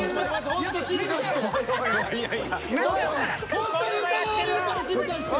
ほんとに疑われるから静かにして！